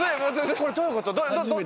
これ。